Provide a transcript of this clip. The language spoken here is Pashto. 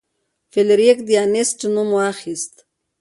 فلیریک د انیسټ نوم واخیست.